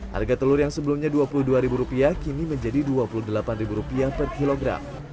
harga telur yang sebelumnya dua puluh dua rupiah kini menjadi dua puluh delapan rupiah per kilogram